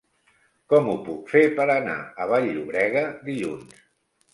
Com ho puc fer per anar a Vall-llobrega dilluns?